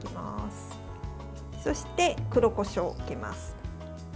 そして、黒こしょうをかけます。